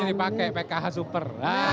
bukan dipakai pkh super